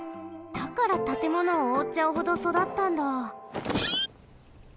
だからたてものをおおっちゃうほどそだったんだ。